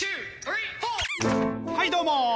はいどうも！